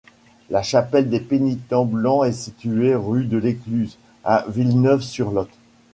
La chapelle des Pénitents Blancs est située rue de l'écluse, à Villeneuve-sur-Lot.